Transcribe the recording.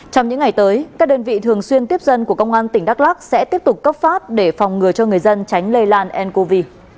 trong những ngày tới các đơn vị thường xuyên tiếp dân của công an tỉnh đắk lắc sẽ tiếp tục cấp phát để phòng ngừa cho người dân tránh lây lan ncov